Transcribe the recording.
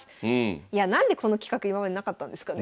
いや何でこの企画今までなかったんですかね。